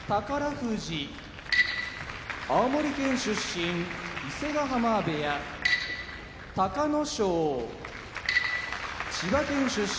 富士青森県出身伊勢ヶ濱部屋隆の勝千葉県出身